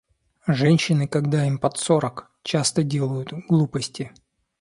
Женщины, когда им под сорок, часто делают глупости.